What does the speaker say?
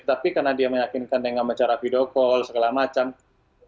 tapi karena dia meyakinkan dengan bicara video call dan sebagainya